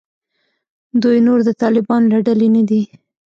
دوی نور د طالبانو له ډلې نه دي.